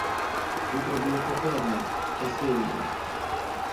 Утро было прохладное, осеннее.